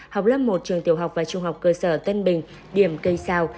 học lớp một trường tiểu học và trung học cơ sở tân bình điểm cây sao